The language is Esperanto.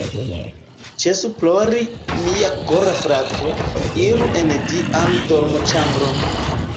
Ĉesu plori mia kora frato, iru en vian dormoĉambron